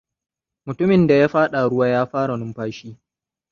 Mutumin da ya faɗa ruwa ya fara numfashi.